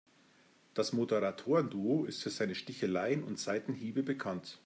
Das Moderatoren-Duo ist für seine Sticheleien und Seitenhiebe bekannt.